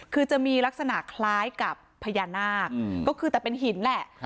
คือจะมีลักษณะคล้ายกับพญานาคก็คือแต่เป็นหินแหละ